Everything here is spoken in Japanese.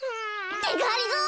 ってがりぞー！？